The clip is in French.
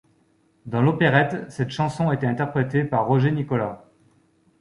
Dans l'opérette, cette chanson était interprétée par Roger Nicolas.